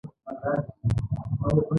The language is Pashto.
نيکه به چې د اکا زوى په غېږ کښې ونيو.